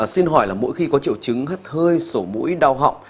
xin hỏi là mỗi khi có triệu chứng hắt hơi sổ mũi đau họng